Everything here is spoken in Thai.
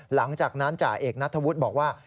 หลังจากนั้นจ่าเอกนัทธวุฒิบอกว่า